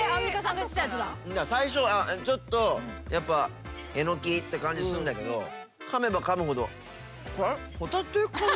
最初ちょっとやっぱエノキって感じすんだけどかめばかむほど。